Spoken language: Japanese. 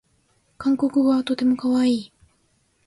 韓国語はとてもかわいい